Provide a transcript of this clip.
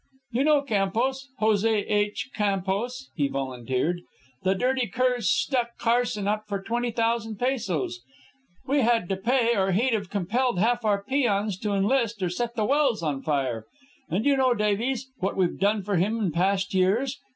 "You know Campos, José H. Campos," he volunteered. "The dirty cur's stuck Carson up for twenty thousand pesos. We had to pay, or he'd have compelled half our peons to enlist or set the wells on fire. And you know, Davies, what we've done for him in past years.